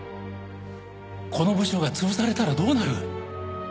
この部署が潰されたらどうなる？